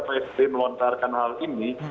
pak sby melontarkan hal ini